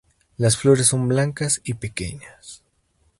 Las flores son blancas y pequeñas.